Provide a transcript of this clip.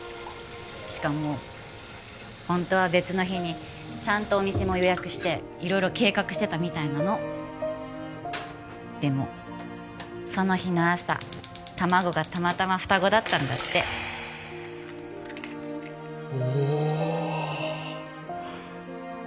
しかもホントは別の日にちゃんとお店も予約して色々計画してたみたいなのでもその日の朝卵がたまたま双子だったんだっておお